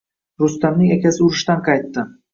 Rustamning akasi urushdan qaytdi